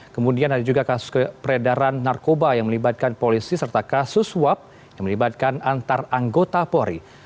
kemudian ada juga kasus kepedaran narkoba yang melibatkan polisi serta kasus swab yang melibatkan antaranggota pori